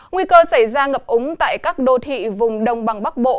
nguy cơ xảy ra ngập úng tại các đô thị vùng đông bằng bắc bộ